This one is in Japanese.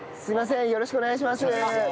よろしくお願いします。